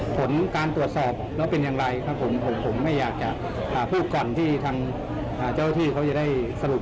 ผลการตรวจสอบแล้วเป็นอย่างไรครับผมผมไม่อยากจะพูดก่อนที่ทางเจ้าที่เขาจะได้สรุป